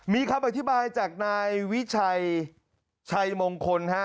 มีคำอธิบายจากนายวิชัยชัยมงคลฮะ